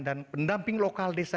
dan pendamping lokal desa